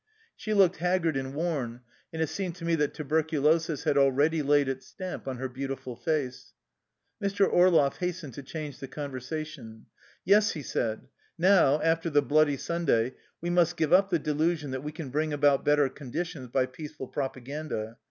She looked haggard and worn, and it seemed to me that tuberculosis had already laid its stamp on her beautiful face. Mr. Orloff hastened to change the conversa tion. " Yes," he said, " now, after the ^ Bloody Sun day,' we must give up the delusion that we can bring about better conditions by peaceful propa ganda.